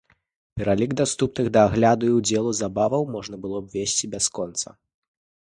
Пералік даступных да агляду і ўдзелу забаваў можна было б весці бясконца.